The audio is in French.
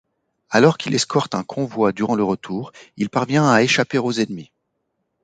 Alors qu'il escorte un convoi durant le retour, il parvient à échapper aux ennemis.